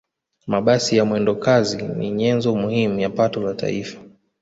mabasi ya mwendokazi ni nyenzo muhimu ya pato la taifa